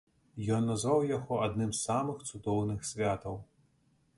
Ён назваў яго адным з самых цудоўных святаў.